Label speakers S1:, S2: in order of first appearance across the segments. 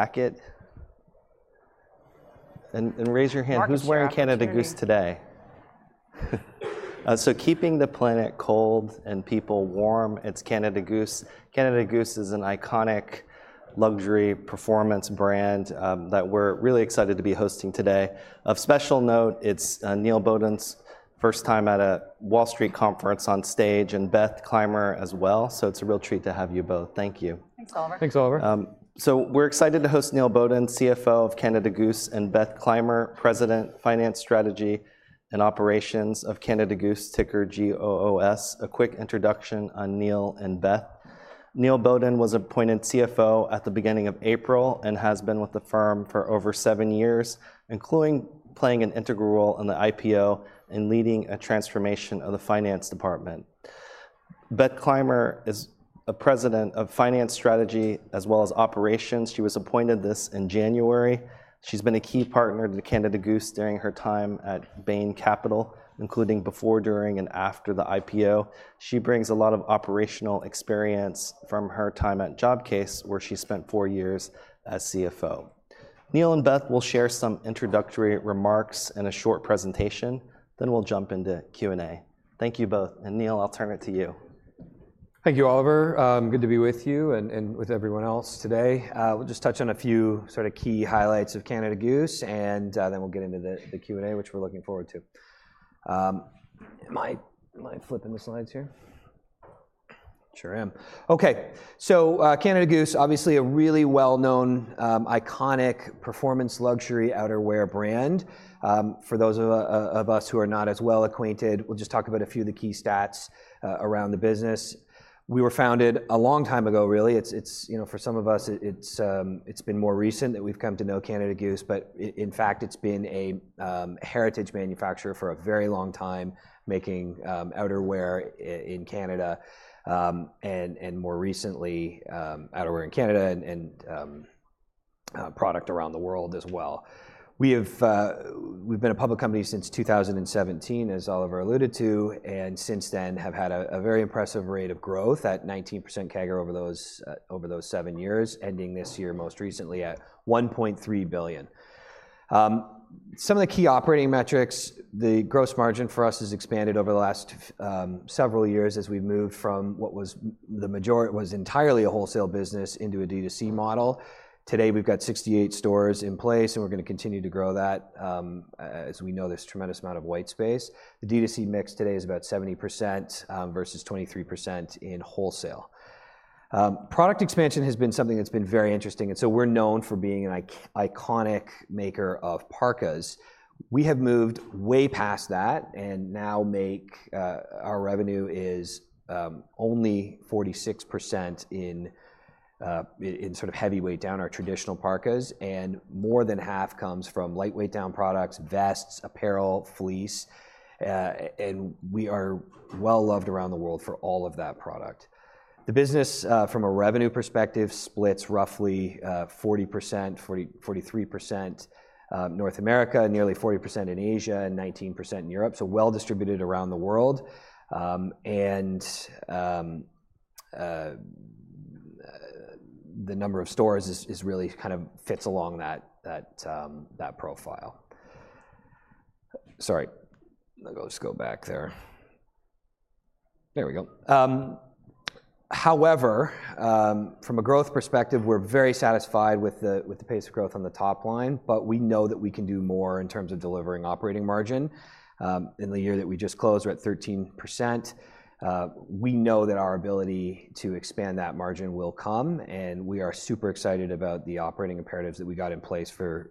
S1: Jacket? And raise your hand, who's wearing Canada Goose today? So keeping the planet cold and people warm, it's Canada Goose. Canada Goose is an iconic luxury performance brand that we're really excited to be hosting today. Of special note, it's Neil Bowden's first time at a Wall Street conference on stage, and Beth Clymer as well, so it's a real treat to have you both. Thank you.
S2: Thanks, Oliver.
S3: Thanks, Oliver.
S1: So we're excited to host Neil Bowden, CFO of Canada Goose, and Beth Clymer, President, Finance, Strategy, and Operations of Canada Goose, ticker GOOS. A quick introduction on Neil and Beth. Neil Bowden was appointed CFO at the beginning of April and has been with the firm for over seven years, including playing an integral role in the IPO and leading a transformation of the finance department. Beth Clymer is the President of Finance, Strategy, as well as Operations. She was appointed this in January. She's been a key partner to Canada Goose during her time at Bain Capital, including before, during, and after the IPO. She brings a lot of operational experience from her time at Jobcase, where she spent four years as CFO. Neil and Beth will share some introductory remarks and a short presentation, then we'll jump into Q&A. Thank you both, and Neil, I'll turn it to you.
S3: Thank you, Oliver. Good to be with you and, and with everyone else today. We'll just touch on a few sort of key highlights of Canada Goose, and, then we'll get into the, the Q&A, which we're looking forward to. Am I, am I flipping the slides here? Sure am. Okay, so, Canada Goose, obviously a really well-known, iconic performance luxury outerwear brand. For those of, of us who are not as well acquainted, we'll just talk about a few of the key stats, around the business. We were founded a long time ago, really. You know, for some of us, it's been more recent that we've come to know Canada Goose, but in fact, it's been a heritage manufacturer for a very long time, making outerwear in Canada, and more recently, outerwear in Canada and product around the world as well. We've been a public company since 2017, as Oliver alluded to, and since then, have had a very impressive rate of growth, at 19% CAGR over those seven years, ending this year most recently at 1.3 billion. Some of the key operating metrics, the gross margin for us has expanded over the last several years as we've moved from what was entirely a wholesale business into a D2C model. Today, we've got 68 stores in place, and we're gonna continue to grow that. As we know, there's a tremendous amount of white space. The D2C mix today is about 70%, versus 23% in wholesale. Product expansion has been something that's been very interesting, and so we're known for being an iconic maker of parkas. We have moved way past that and now make, Our revenue is only 46% in sort of heavyweight down, our traditional parkas, and more than half comes from lightweight down products, vests, apparel, fleece, and we are well-loved around the world for all of that product. The business from a revenue perspective splits roughly 43% North America, nearly 40% in Asia, and 19% in Europe, so well-distributed around the world. And the number of stores is really kind of fits along that that profile. Sorry, let us go back there. There we go. However, from a growth perspective, we're very satisfied with the pace of growth on the top line, but we know that we can do more in terms of delivering operating margin. In the year that we just closed, we're at 13%. We know that our ability to expand that margin will come, and we are super excited about the operating imperatives that we got in place for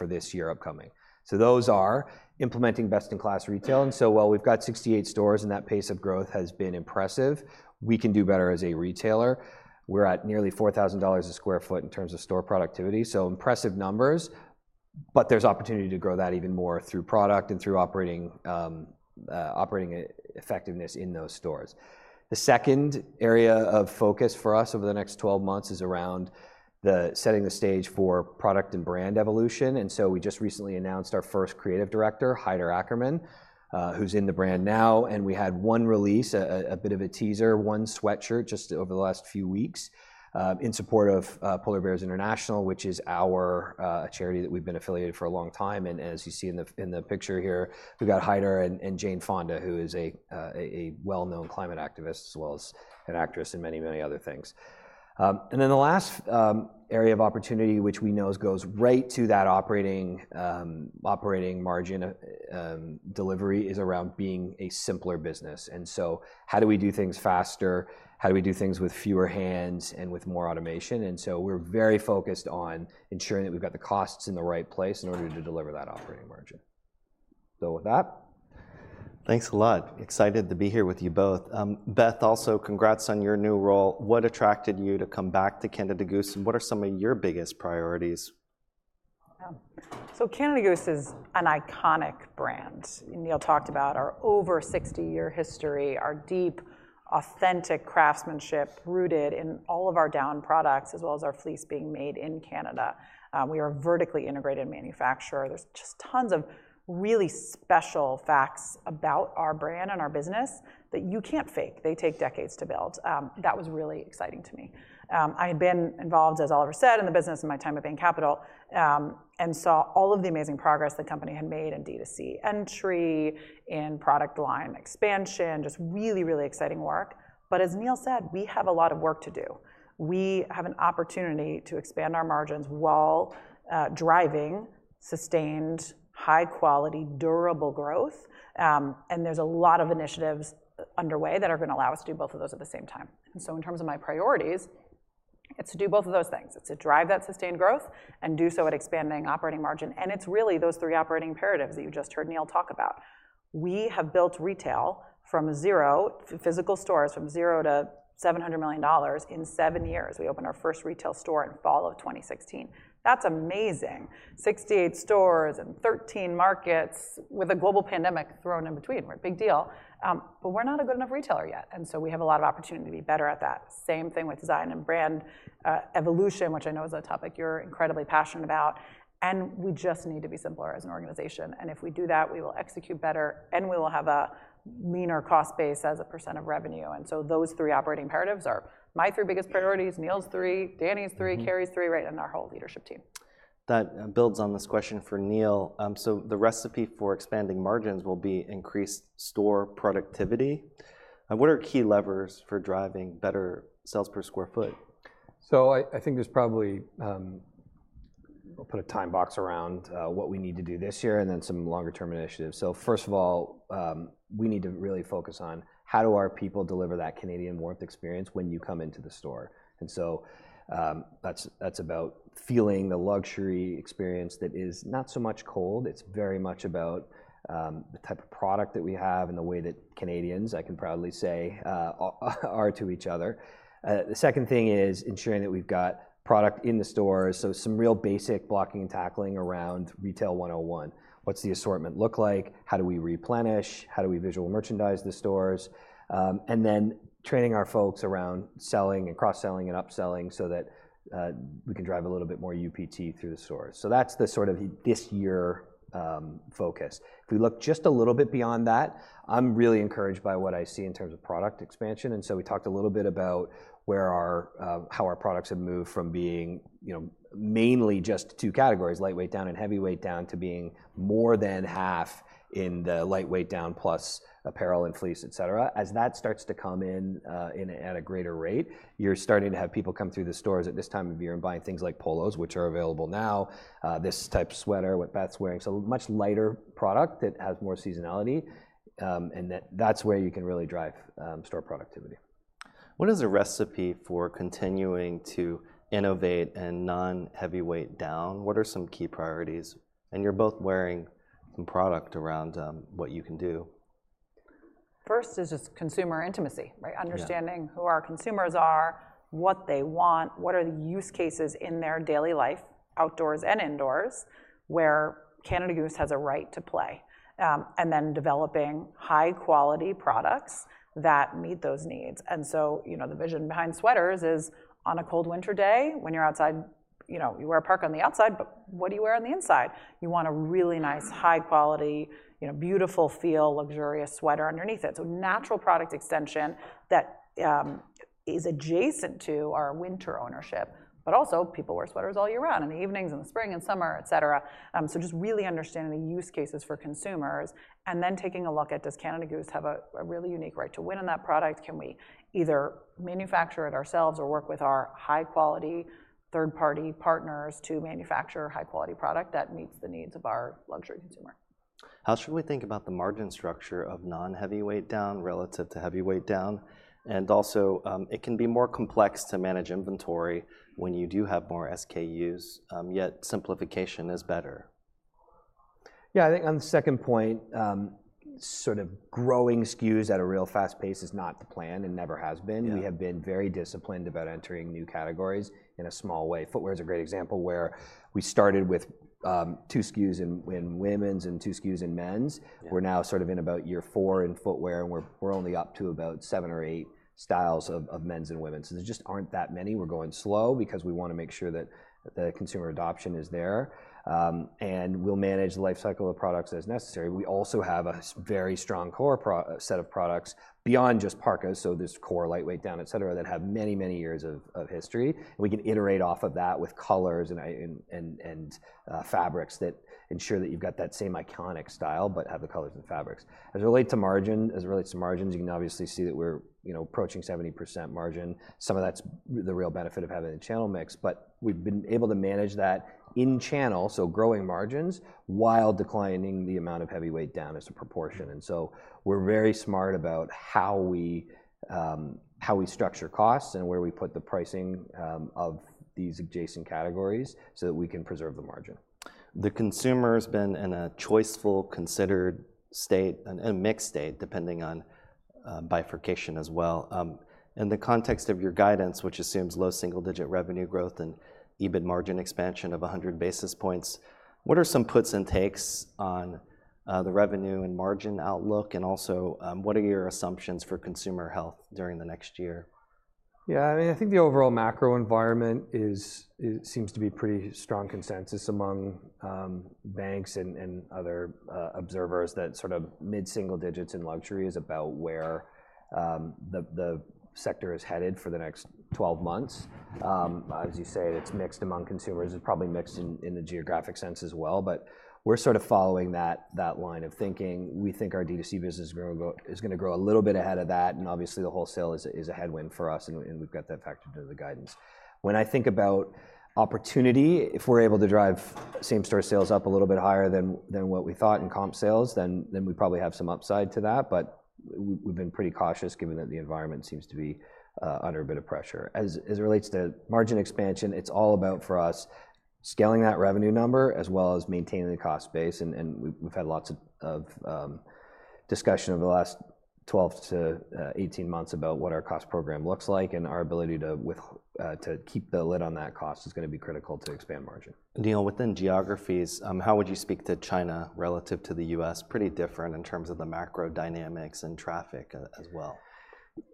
S3: this year upcoming. So those are implementing best-in-class retail, and so while we've got 68 stores and that pace of growth has been impressive, we can do better as a retailer. We're at nearly 4,000 dollars a sq ft in terms of store productivity, so impressive numbers, but there's opportunity to grow that even more through product and through operating effectiveness in those stores. The second area of focus for us over the next 12 months is around setting the stage for product and brand evolution, and so we just recently announced our first creative director, Haider Ackermann, who's in the brand now, and we had one release, a bit of a teaser, one sweatshirt just over the last few weeks, in support of Polar Bears International, which is our charity that we've been affiliated for a long time, and as you see in the picture here, we've got Haider and Jane Fonda, who is a well-known climate activist, as well as an actress and many other things. And then the last area of opportunity, which we know goes right to that operating margin delivery, is around being a simpler business, and so how do we do things faster? How do we do things with fewer hands and with more automation? And so we're very focused on ensuring that we've got the costs in the right place in order to deliver that operating margin. So with that...
S1: Thanks a lot. Excited to be here with you both. Beth, also congrats on your new role. What attracted you to come back to Canada Goose, and what are some of your biggest priorities?...
S2: Oh, so Canada Goose is an iconic brand. Neil talked about our over 60-year history, our deep, authentic craftsmanship rooted in all of our down products, as well as our fleece being made in Canada. We are a vertically integrated manufacturer. There's just tons of really special facts about our brand and our business that you can't fake. They take decades to build. That was really exciting to me. I had been involved, as Oliver said, in the business in my time at Bain Capital, and saw all of the amazing progress the company had made in D2C entry, in product line expansion, just really, really exciting work. But as Neil said, we have a lot of work to do. We have an opportunity to expand our margins while driving sustained, high quality, durable growth. And there's a lot of initiatives underway that are gonna allow us to do both of those at the same time. And so in terms of my priorities, it's to do both of those things. It's to drive that sustained growth and do so at expanding operating margin, and it's really those three operating imperatives that you just heard Neil talk about. We have built retail from zero, physical stores, from zero to 700 million dollars in 7 years. We opened our first retail store in fall of 2016. That's amazing! 68 stores in 13 markets with a global pandemic thrown in between. We're a big deal. But we're not a good enough retailer yet, and so we have a lot of opportunity to be better at that. Same thing with design and brand, evolution, which I know is a topic you're incredibly passionate about, and we just need to be simpler as an organization. And if we do that, we will execute better, and we will have a leaner cost base as a percent of revenue. And so those three operating imperatives are my three biggest priorities, Neil's three, Dani's three-
S1: Mm-hmm.
S2: Carrie's three, right, and our whole leadership team.
S1: That builds on this question for Neil. So the recipe for expanding margins will be increased store productivity. And what are key levers for driving better sales per square foot?
S3: So I think there's probably. We'll put a time box around what we need to do this year and then some longer term initiatives. So first of all, we need to really focus on how do our people deliver that Canadian warmth experience when you come into the store? And so, that's about feeling the luxury experience that is not so much cold. It's very much about the type of product that we have and the way that Canadians, I can proudly say, are to each other. The second thing is ensuring that we've got product in the stores, so some real basic blocking and tackling around Retail 101. What's the assortment look like? How do we replenish? How do we visually merchandise the stores? And then training our folks around selling and cross-selling and upselling so that we can drive a little bit more UPT through the stores. So that's the sort of the this year focus. If we look just a little bit beyond that, I'm really encouraged by what I see in terms of product expansion, and so we talked a little bit about where our, how our products have moved from being, you know, mainly just two categories, lightweight down and heavyweight down, to being more than half in the lightweight down, plus apparel and fleece, et cetera. As that starts to come in in at a greater rate, you're starting to have people come through the stores at this time of year and buying things like polos, which are available now, this type of sweater, what Beth's wearing. A much lighter product that has more seasonality, and that, that's where you can really drive store productivity.
S1: What is the recipe for continuing to innovate in non-heavyweight down? What are some key priorities? You're both wearing some product around, what you can do.
S2: First is just consumer intimacy, right?
S1: Yeah.
S2: Understanding who our consumers are, what they want, what are the use cases in their daily life, outdoors and indoors, where Canada Goose has a right to play, and then developing high-quality products that meet those needs. So, you know, the vision behind sweaters is, on a cold winter day, when you're outside, you know, you wear a parka on the outside, but what do you wear on the inside? You want a really nice, high-quality, you know, beautiful feel, luxurious sweater underneath it. So natural product extension that is adjacent to our winter ownership, but also, people wear sweaters all year round, in the evenings, in the spring and summer, et cetera. So just really understanding the use cases for consumers and then taking a look at, does Canada Goose have a really unique right to win in that product? Can we either manufacture it ourselves or work with our high-quality, third-party partners to manufacture a high-quality product that meets the needs of our luxury consumer?
S1: How should we think about the margin structure of non-heavyweight down relative to heavyweight down? Also, it can be more complex to manage inventory when you do have more SKUs, yet simplification is better.
S3: Yeah, I think on the second point, sort of growing SKUs at a real fast pace is not the plan and never has been.
S1: Yeah.
S3: We have been very disciplined about entering new categories in a small way. Footwear is a great example, where we started with, two SKUs in women's and two SKUs in men's.
S1: Yeah.
S3: We're now sort of in about year 4 in footwear, and we're only up to about 7 or 8 styles of men's and women's. So there just aren't that many. We're going slow because we wanna make sure that the consumer adoption is there. And we'll manage the lifecycle of products as necessary. We also have a very strong core set of products beyond just parkas, so this core lightweight down, et cetera, that have many, many years of history. We can iterate off of that with colors and fabrics that ensure that you've got that same iconic style but have the colors and fabrics. As it relates to margins, you can obviously see that we're, you know, approaching 70% margin. Some of that's the real benefit of having the channel mix, but we've been able to manage that in channel, so growing margins, while declining the amount of heavyweight down as a proportion. And so we're very smart about how we structure costs and where we put the pricing, of these adjacent categories so that we can preserve the margin.
S1: The consumer's been in a choiceful, considered state, and a mixed state, depending on bifurcation as well. In the context of your guidance, which assumes low single-digit revenue growth and EBIT margin expansion of 100 basis points, what are some puts and takes on the revenue and margin outlook? And also, what are your assumptions for consumer health during the next year?
S3: Yeah, I mean, I think the overall macro environment seems to be pretty strong consensus among banks and other observers, that sort of mid-single digits in luxury is about where the sector is headed for the next 12 months. As you say, it's mixed among consumers. It's probably mixed in the geographic sense as well, but we're sort of following that line of thinking. We think our D2C business is gonna grow a little bit ahead of that, and obviously, the wholesale is a headwind for us, and we've got that factored into the guidance. When I think about opportunity, if we're able to drive same-store sales up a little bit higher than what we thought in comp sales, then we probably have some upside to that. But we've been pretty cautious, given that the environment seems to be under a bit of pressure. As it relates to margin expansion, it's all about, for us, scaling that revenue number, as well as maintaining the cost base, and we've had lots of discussion over the last 12-18 months about what our cost program looks like, and our ability to keep the lid on that cost is gonna be critical to expand margin.
S1: Neil, within geographies, how would you speak to China relative to the U.S.? Pretty different in terms of the macro dynamics and traffic as well.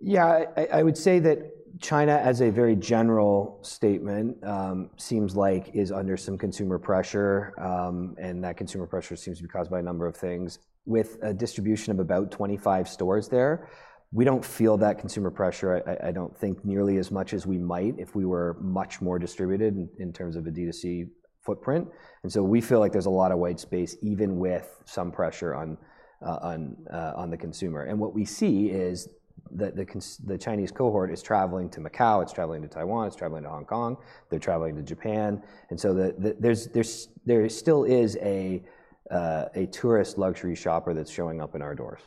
S3: Yeah, I would say that China, as a very general statement, seems like is under some consumer pressure, and that consumer pressure seems to be caused by a number of things. With a distribution of about 25 stores there, we don't feel that consumer pressure, I don't think, nearly as much as we might if we were much more distributed in terms of a D2C footprint. And so we feel like there's a lot of white space, even with some pressure on the consumer. And what we see is that the Chinese cohort is traveling to Macau, it's traveling to Taiwan, it's traveling to Hong Kong, they're traveling to Japan, and so there still is a tourist luxury shopper that's showing up in our doors.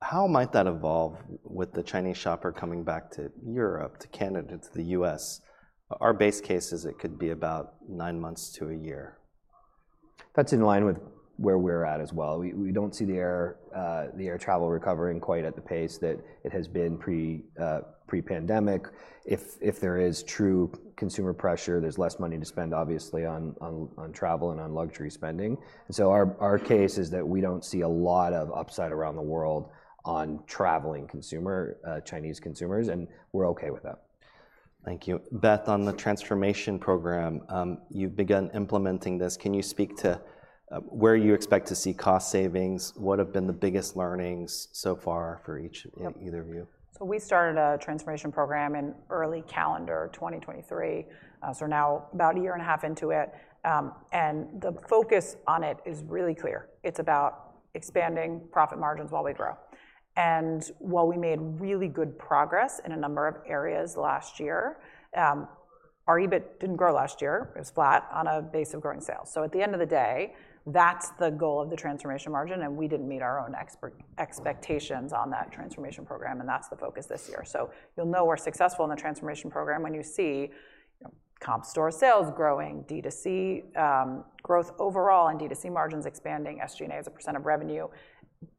S1: How might that evolve with the Chinese shopper coming back to Europe, to Canada, to the U.S.? Our base case is it could be about nine months to a year.
S3: That's in line with where we're at as well. We don't see the air travel recovering quite at the pace that it has been pre-pandemic. If there is true consumer pressure, there's less money to spend, obviously, on travel and on luxury spending. And so our case is that we don't see a lot of upside around the world on traveling consumer Chinese consumers, and we're okay with that.
S1: Thank you. Beth, on the transformation program, you've begun implementing this. Can you speak to where you expect to see cost savings? What have been the biggest learnings so far for each either of you?
S2: So we started a transformation program in early calendar 2023. So we're now about a year and a half into it, and the focus on it is really clear. It's about expanding profit margins while we grow. And while we made really good progress in a number of areas last year, our EBIT didn't grow last year. It was flat on a base of growing sales. So at the end of the day, that's the goal of the transformation margin, and we didn't meet our own expectations on that transformation program, and that's the focus this year. So you'll know we're successful in the transformation program when you see, you know, comp store sales growing, D2C growth overall, and D2C margins expanding, SG&A as a % of revenue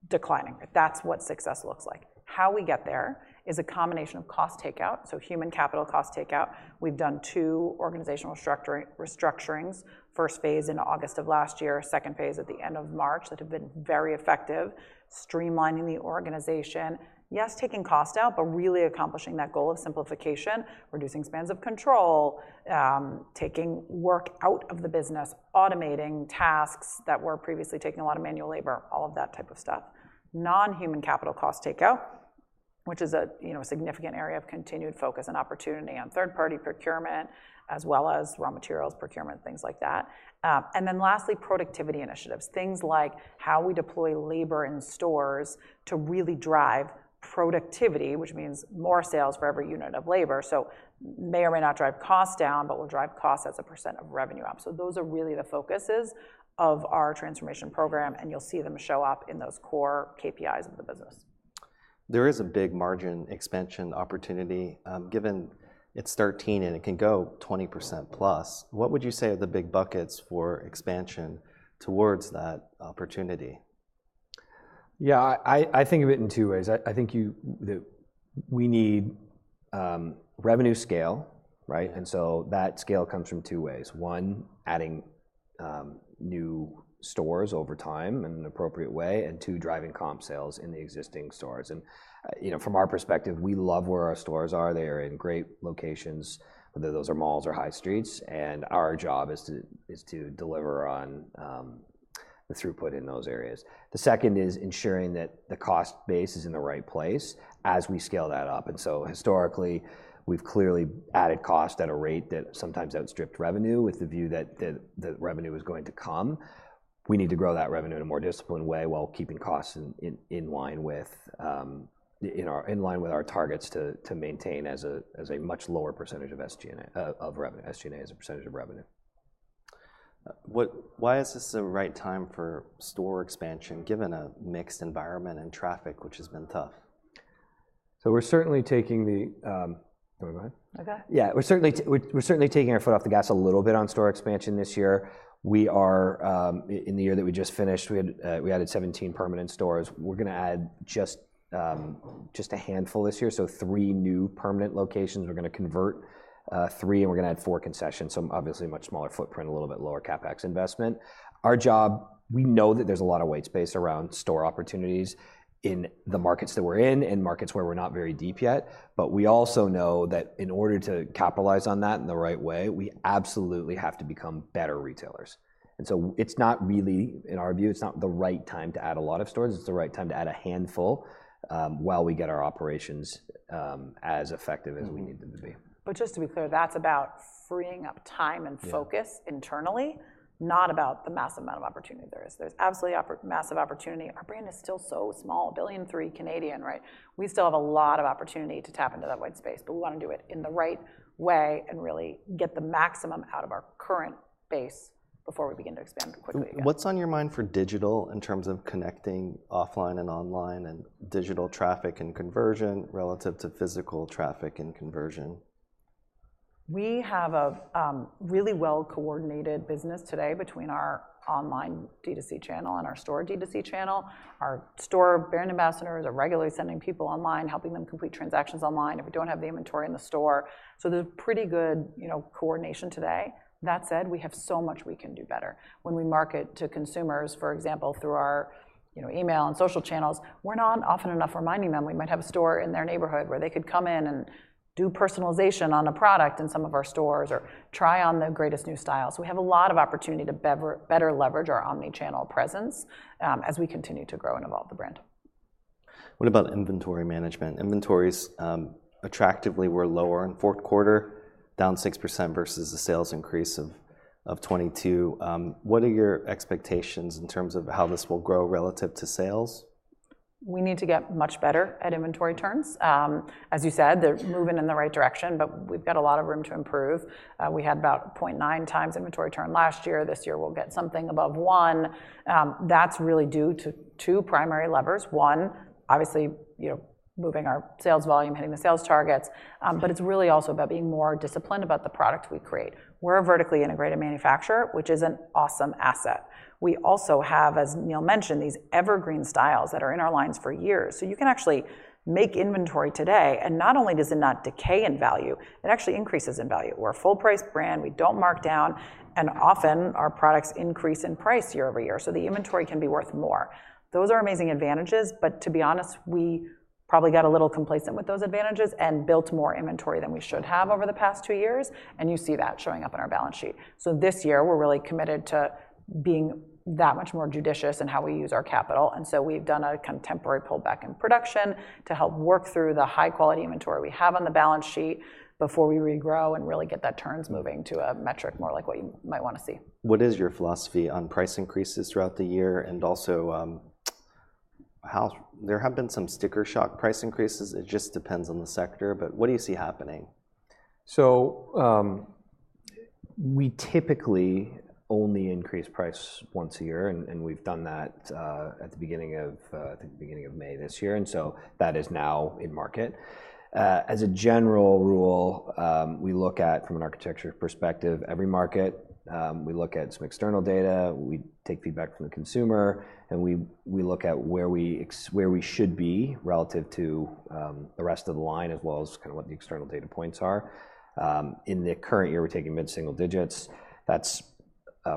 S2: declining. That's what success looks like. How we get there is a combination of cost takeout, so human capital cost takeout. We've done two organizational restructurings, first phase in August of last year, second phase at the end of March, that have been very effective, streamlining the organization. Yes, taking cost out, but really accomplishing that goal of simplification, reducing spans of control, taking work out of the business, automating tasks that were previously taking a lot of manual labor, all of that type of stuff. Non-human capital cost takeout, which is a, you know, significant area of continued focus and opportunity, and third-party procurement, as well as raw materials procurement, things like that. And then lastly, productivity initiatives, things like how we deploy labor in stores to really drive productivity, which means more sales for every unit of labor, so may or may not drive costs down, but will drive costs as a % of revenue up. So those are really the focuses of our transformation program, and you'll see them show up in those core KPIs of the business.
S1: There is a big margin expansion opportunity. Given it's 13, and it can go 20%+, what would you say are the big buckets for expansion towards that opportunity?
S3: Yeah, I think of it in two ways. I think that we need revenue scale, right? And so that scale comes from two ways: one, adding new stores over time in an appropriate way, and two, driving comp sales in the existing stores. And you know, from our perspective, we love where our stores are. They are in great locations, whether those are malls or high streets, and our job is to deliver on the throughput in those areas. The second is ensuring that the cost base is in the right place as we scale that up. And so historically, we've clearly added cost at a rate that sometimes outstripped revenue, with the view that revenue was going to come. We need to grow that revenue in a more disciplined way, while keeping costs in line with our targets to maintain as a much lower percentage of SG&A of revenue, SG&A as a percentage of revenue.
S1: Why is this the right time for store expansion, given a mixed environment and traffic, which has been tough?...
S3: So we're certainly taking the, do you mind?
S2: I'm okay.
S3: Yeah, we're certainly taking our foot off the gas a little bit on store expansion this year. We are in the year that we just finished, we had we added 17 permanent stores. We're gonna add just just a handful this year, so 3 new permanent locations. We're gonna convert three, and we're gonna add 4 concessions, so obviously a much smaller footprint, a little bit lower CapEx investment. Our job, we know that there's a lot of white space around store opportunities in the markets that we're in and markets where we're not very deep yet, but we also know that in order to capitalize on that in the right way, we absolutely have to become better retailers. And so it's not really, in our view, it's not the right time to add a lot of stores. It's the right time to add a handful, while we get our operations, as effective as-
S2: Mm-hmm...
S3: we need them to be.
S2: But just to be clear, that's about freeing up time and focus-
S3: Yeah...
S2: internally, not about the massive amount of opportunity there is. There's absolutely massive opportunity. Our brand is still so small, 1.3 billion, right? We still have a lot of opportunity to tap into that white space, but we wanna do it in the right way and really get the maximum out of our current base before we begin to expand quickly again.
S1: What's on your mind for digital in terms of connecting offline and online, and digital traffic and conversion relative to physical traffic and conversion?
S2: We have a really well-coordinated business today between our online D2C channel and our store D2C channel. Our store brand ambassadors are regularly sending people online, helping them complete transactions online if we don't have the inventory in the store. So there's pretty good, you know, coordination today. That said, we have so much we can do better. When we market to consumers, for example, through our, you know, email and social channels, we're not often enough reminding them we might have a store in their neighborhood where they could come in and do personalization on a product in some of our stores or try on the greatest new styles. We have a lot of opportunity to better leverage our omni-channel presence, as we continue to grow and evolve the brand.
S1: What about inventory management? Inventories, attractively were lower in Q4, down 6% versus the sales increase of 22%. What are your expectations in terms of how this will grow relative to sales?
S2: We need to get much better at inventory turns. As you said, they're moving in the right direction, but we've got a lot of room to improve. We had about 0.9 times inventory turn last year. This year, we'll get something above one. That's really due to two primary levers. One obviously, you know, moving our sales volume, hitting the sales targets, but it's really also about being more disciplined about the product we create. We're a vertically integrated manufacturer, which is an awesome asset. We also have, as Neil mentioned, these evergreen styles that are in our lines for years. So you can actually make inventory today, and not only does it not decay in value, it actually increases in value. We're a full-price brand. We don't mark down, and often, our products increase in price year over year, so the inventory can be worth more. Those are amazing advantages, but to be honest, we probably got a little complacent with those advantages and built more inventory than we should have over the past two years, and you see that showing up on our balance sheet. So this year, we're really committed to being that much more judicious in how we use our capital, and so we've done a contemporary pullback in production to help work through the high-quality inventory we have on the balance sheet before we regrow and really get that turns moving to a metric more like what you might wanna see.
S1: What is your philosophy on price increases throughout the year and also, there have been some sticker shock price increases. It just depends on the sector, but what do you see happening?
S3: So, we typically only increase price once a year, and we've done that, at the beginning of, I think the beginning of May this year, and so that is now in market. As a general rule, we look at, from an architecture perspective, every market. We look at some external data, we take feedback from the consumer, and we look at where we should be relative to, the rest of the line, as well as kinda what the external data points are. In the current year, we're taking mid-single digits. That's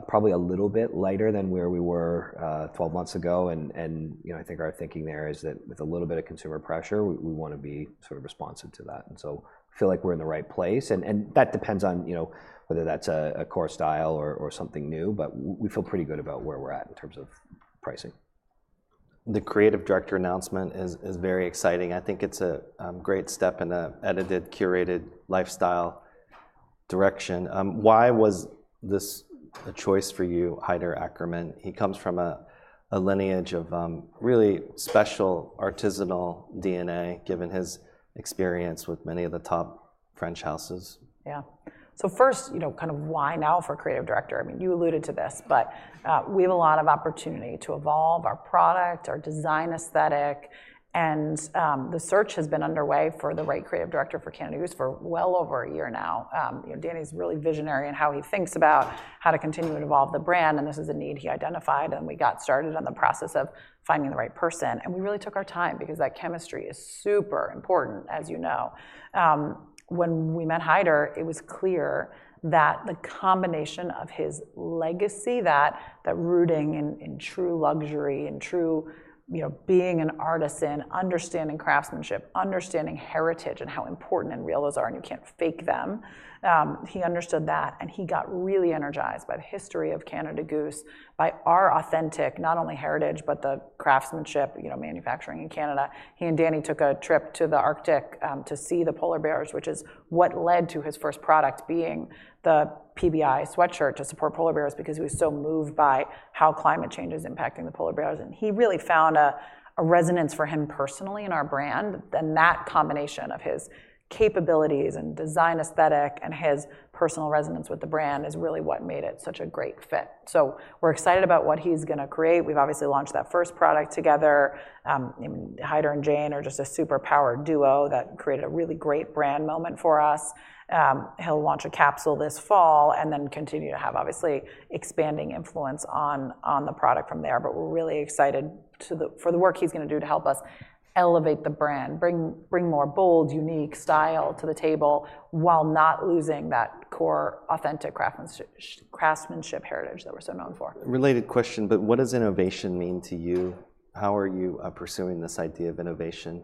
S3: probably a little bit lighter than where we were 12 months ago, and you know, I think our thinking there is that with a little bit of consumer pressure, we wanna be sort of responsive to that, and so feel like we're in the right place, and that depends on, you know, whether that's a core style or something new, but we feel pretty good about where we're at in terms of pricing.
S1: The creative director announcement is very exciting. I think it's a great step in an edited, curated lifestyle direction. Why was this a choice for you, Haider Ackermann? He comes from a lineage of really special artisanal DNA, given his experience with many of the top French houses.
S2: Yeah. So first, you know, kind of why now for creative director? I mean, you alluded to this, but we have a lot of opportunity to evolve our product, our design aesthetic, and the search has been underway for the right creative director for Canada Goose for well over a year now. You know, Dani is really visionary in how he thinks about how to continue to evolve the brand, and this is a need he identified, and we got started on the process of finding the right person, and we really took our time because that chemistry is super important, as you know. When we met Haider, it was clear that the combination of his legacy, that rooting in true luxury and true, you know, being an artisan, understanding craftsmanship, understanding heritage and how important and real those are, and you can't fake them, he understood that, and he got really energized by the history of Canada Goose, by our authentic, not only heritage, but the craftsmanship, you know, manufacturing in Canada. He and Dani took a trip to the Arctic to see the polar bears, which is what led to his first product being the PBI sweatshirt to support polar bears because he was so moved by how climate change is impacting the polar bears, and he really found a resonance for him personally in our brand. Then that combination of his capabilities and design aesthetic and his personal resonance with the brand is really what made it such a great fit. So we're excited about what he's gonna create. We've obviously launched that first product together. And Haider and Jane are just a super powered duo that created a really great brand moment for us. He'll launch a capsule this fall and then continue to have, obviously, expanding influence on, on the product from there, but we're really excited for the work he's gonna do to help us elevate the brand, bring, bring more bold, unique style to the table, while not losing that core, authentic craftsmanship heritage that we're so known for.
S1: Related question, but what does innovation mean to you? How are you pursuing this idea of innovation?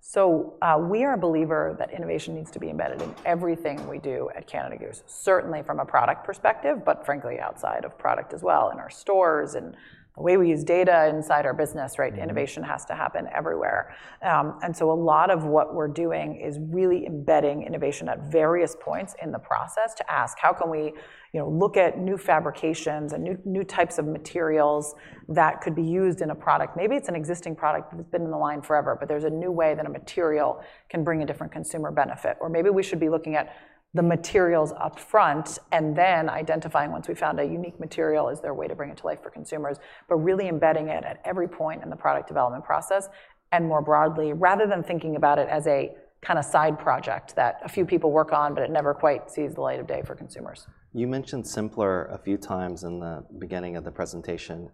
S2: So, we are a believer that innovation needs to be embedded in everything we do at Canada Goose. Certainly, from a product perspective, but frankly, outside of product as well, in our stores and the way we use data inside our business, right?
S3: Mm-hmm.
S2: Innovation has to happen everywhere. And so a lot of what we're doing is really embedding innovation at various points in the process to ask: How can we, you know, look at new fabrications and new types of materials that could be used in a product? Maybe it's an existing product that's been in the line forever, but there's a new way that a material can bring a different consumer benefit. Or maybe we should be looking at the materials up front, and then identifying once we've found a unique material, is there a way to bring it to life for consumers? But really embedding it at every point in the product development process, and more broadly, rather than thinking about it as a kinda side project that a few people work on, but it never quite sees the light of day for consumers.
S1: You mentioned simpler a few times in the beginning of the presentation.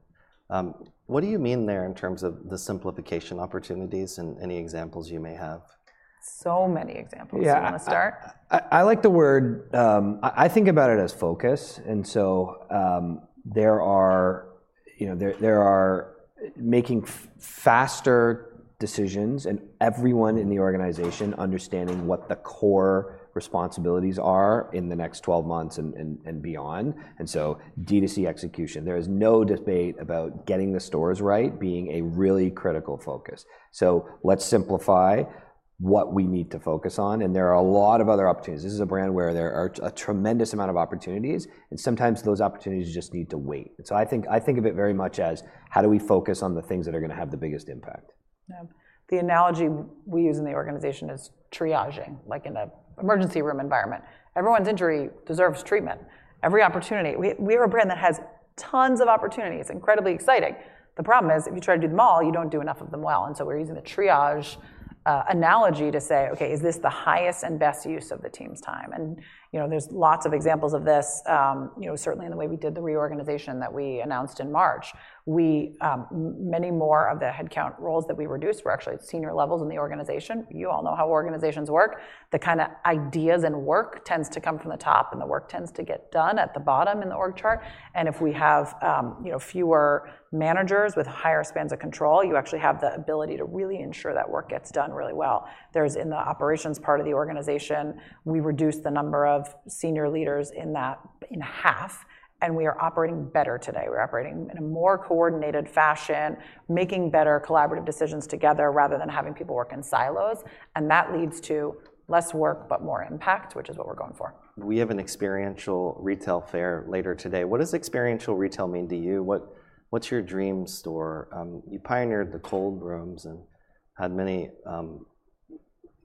S1: What do you mean there in terms of the simplification opportunities, and any examples you may have?
S2: So many examples.
S3: Yeah.
S2: You wanna start?
S3: I like the word. I think about it as focus, and so, there are, you know, there are making faster decisions and everyone in the organization understanding what the core responsibilities are in the next 12 months and, and, and beyond. And so D2C execution, there is no debate about getting the stores right, being a really critical focus. So let's simplify what we need to focus on, and there are a lot of other opportunities. This is a brand where there are a tremendous amount of opportunities, and sometimes those opportunities just need to wait. And so I think, I think of it very much as, how do we focus on the things that are gonna have the biggest impact?
S2: Yeah. The analogy we use in the organization is triaging, like in an emergency room environment. Everyone's injury deserves treatment. Every opportunity, we are a brand that has tons of opportunities, incredibly exciting. The problem is, if you try to do them all, you don't do enough of them well, and so we're using the triage analogy to say, "Okay, is this the highest and best use of the team's time?" You know, there's lots of examples of this. You know, certainly in the way we did the reorganization that we announced in March. We, many more of the headcount roles that we reduced were actually senior levels in the organization. You all know how organizations work. The kinda ideas and work tends to come from the top, and the work tends to get done at the bottom in the org chart. If we have, you know, fewer managers with higher spans of control, you actually have the ability to really ensure that work gets done really well. There, in the operations part of the organization, we reduced the number of senior leaders in that in half, and we are operating better today. We're operating in a more coordinated fashion, making better collaborative decisions together rather than having people work in silos, and that leads to less work, but more impact, which is what we're going for.
S1: We have an experiential retail fair later today. What does experiential retail mean to you? What's your dream store? You pioneered the Cold Rooms and had many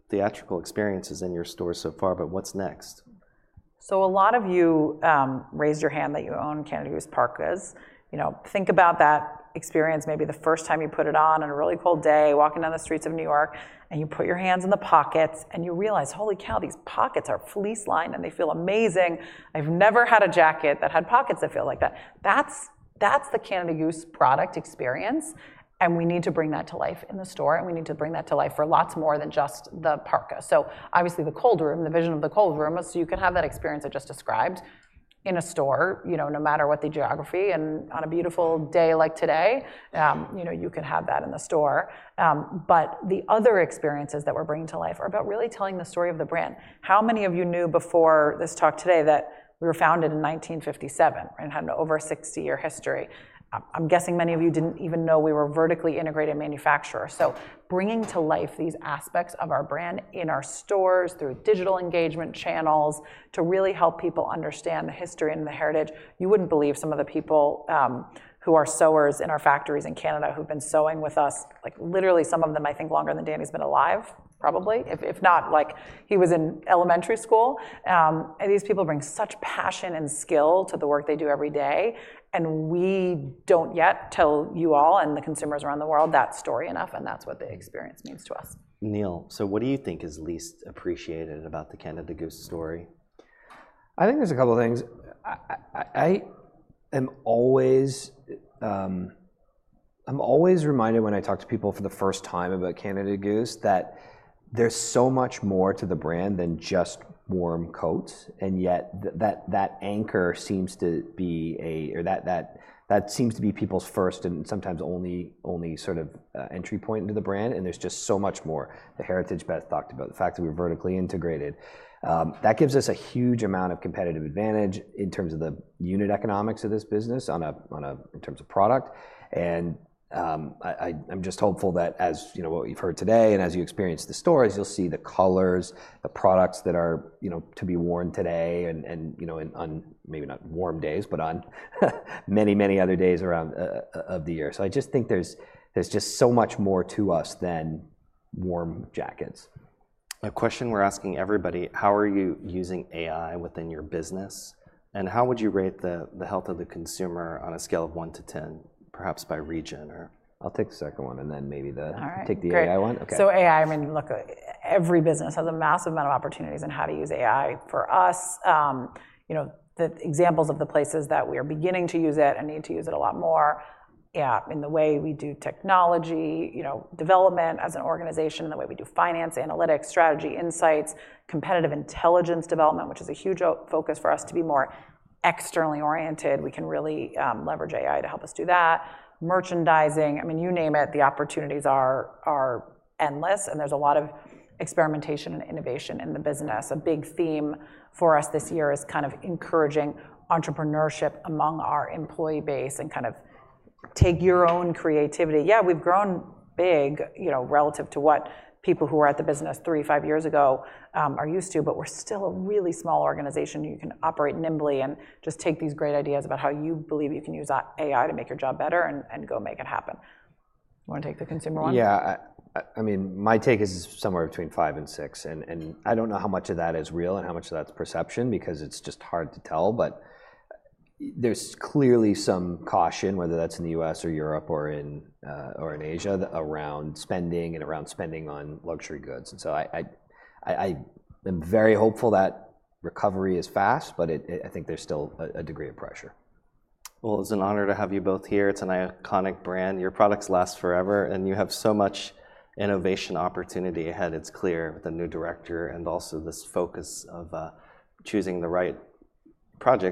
S1: theatrical experiences in your store so far, but what's next?
S2: So a lot of you raised your hand that you own Canada Goose parkas. You know, think about that experience, maybe the first time you put it on, on a really cold day, walking down the streets of New York, and you put your hands in the pockets, and you realize, "Holy cow, these pockets are fleece-lined, and they feel amazing. I've never had a jacket that had pockets that feel like that." That's, that's the Canada Goose product experience, and we need to bring that to life in the store, and we need to bring that to life for lots more than just the parka. So obviously, the Cold Room, the vision of the Cold Room is so you can have that experience I just described in a store, you know, no matter what the geography, and on a beautiful day like today, you know, you can have that in the store. But the other experiences that we're bringing to life are about really telling the story of the brand. How many of you knew before this talk today that we were founded in 1957 and had an over 60-year history? I'm guessing many of you didn't even know we were a vertically integrated manufacturer. So bringing to life these aspects of our brand in our stores, through digital engagement channels, to really help people understand the history and the heritage. You wouldn't believe some of the people who are sewers in our factories in Canada, who've been sewing with us, like, literally some of them, I think, longer than Dani's been alive, probably. If not, like, he was in elementary school. And these people bring such passion and skill to the work they do every day, and we don't yet tell you all and the consumers around the world that story enough, and that's what the experience means to us.
S1: Neil, so what do you think is least appreciated about the Canada Goose story?
S3: I think there's a couple things. I'm always reminded when I talk to people for the first time about Canada Goose, that there's so much more to the brand than just warm coats, and yet, that seems to be people's first and sometimes only sort of entry point into the brand, and there's just so much more. The heritage Beth talked about, the fact that we're vertically integrated. That gives us a huge amount of competitive advantage in terms of the unit economics of this business in terms of product. I'm just hopeful that as, you know, what you've heard today, and as you experience the stories, you'll see the colors, the products that are, you know, to be worn today and you know, on maybe not warm days, but on many, many other days around of the year. So I just think there's just so much more to us than warm jackets.
S1: A question we're asking everybody: How are you using AI within your business? And how would you rate the health of the consumer on a scale of one to 10, perhaps by region?
S3: I'll take the second one and then maybe the-
S2: All right, great.
S3: Take the AI one? Okay.
S2: So AI, I mean, look, every business has a massive amount of opportunities on how to use AI. For us, you know, the examples of the places that we are beginning to use it and need to use it a lot more, yeah, in the way we do technology, you know, development as an organization, and the way we do finance, analytics, strategy, insights, competitive intelligence development, which is a huge focus for us to be more externally oriented. We can really, leverage AI to help us do that. Merchandising, I mean, you name it, the opportunities are endless, and there's a lot of experimentation and innovation in the business. A big theme for us this year is kind of encouraging entrepreneurship among our employee base and kind of take your own creativity. Yeah, we've grown big, you know, relative to what people who were at the business three, five years ago are used to, but we're still a really small organization. You can operate nimbly and just take these great ideas about how you believe you can use AI to make your job better and go make it happen. Wanna take the consumer one?
S3: Yeah. I mean, my take is somewhere between five and six, and I don't know how much of that is real and how much of that's perception, because it's just hard to tell. But there's clearly some caution, whether that's in the U.S. or Europe or in Asia, around spending and around spending on luxury goods. And so I am very hopeful that recovery is fast, but I think there's still a degree of pressure.
S1: Well, it's an honor to have you both here. It's an iconic brand. Your products last forever, and you have so much innovation opportunity ahead, it's clear, with a new director and also this focus of choosing the right projects.